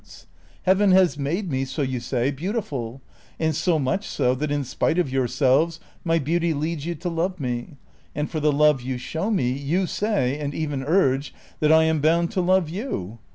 91 Heaven has made me, so you say, beautiful, and so much so that in spite of yourselves my beauty leads you to love me ; and for the love you show me you say, and even urge, that I am bound to love you.